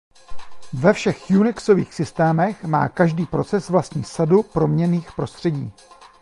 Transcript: Ve všech Unixových systémech má každý proces vlastní sadu proměnných prostředí.